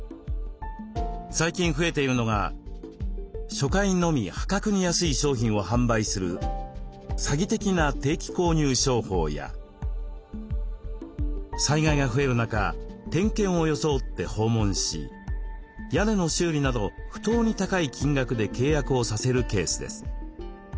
最近増えているのが初回のみ破格に安い商品を販売する詐欺的な定期購入商法や災害が増える中点検を装って訪問し屋根の修理など不当に高い金額で契約をさせるケースです。